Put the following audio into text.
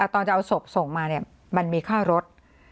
ตอนจะเอาศพส่งมามันมีค่ารถ